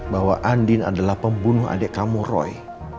bahwa andin adalah pembunuh adik kamu roy